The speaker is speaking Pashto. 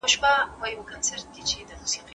دا پاڅون د ازادۍ لومړنی څرک و.